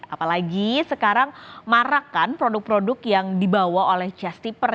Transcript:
apalagi sekarang marakan produk produk yang dibawa oleh jastiper